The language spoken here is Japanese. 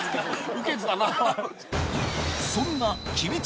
ウケてたな。